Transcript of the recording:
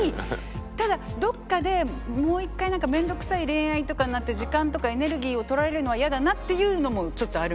ただどっかでもう一回なんか面倒くさい恋愛とかになって時間とかエネルギーを取られるのはイヤだなっていうのもちょっとある。